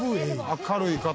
明るい方。